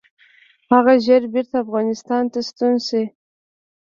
هغه ژر بیرته افغانستان ته ستون شي.